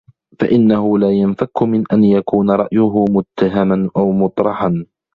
فَإِنَّهُ لَا يَنْفَكُّ مِنْ أَنْ يَكُونَ رَأْيُهُ مُتَّهَمًا أَوْ مُطْرَحًا